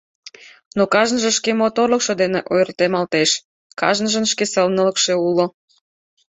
Но кажныже шке моторлыкшо дене ойыртемалтеш, кажныжын шке сылнылыкше уло.